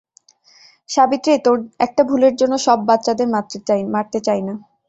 সাবিত্রী, তোর একটা ভুলের জন্য সব বাচ্চাদের মারতে চাইনা।